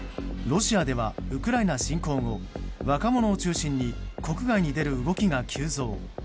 ロシアではウクライナ侵攻後若者を中心に国外に出る動きが急増。